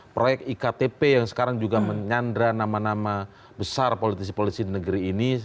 proyek iktp yang sekarang juga menyandra nama nama besar politisi politisi di negeri ini